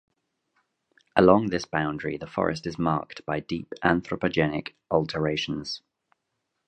Along this boundary the forest is marked by deep anthropogenic alterations.